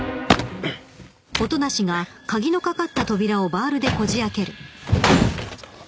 えっ。